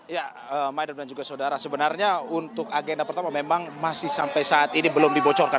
ya maya dan juga saudara sebenarnya untuk agenda pertama memang masih sampai saat ini belum dibocorkan